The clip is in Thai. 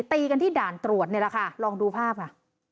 ตีกันที่ด่านโตรดเลยล่ะลองดูภาพค่ะ